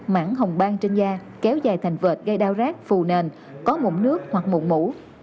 mãng hồng bang trên da kéo dài thành vợt gây đau rác phù nền có mụn nước hoặc mụn mủ